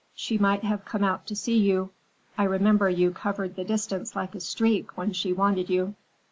"She might have come out to see you. I remember you covered the distance like a streak when she wanted you."